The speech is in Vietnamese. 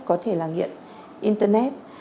có thể là nghiện internet